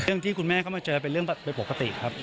ที่คุณแม่เข้ามาเจอเป็นเรื่องโดยปกติครับ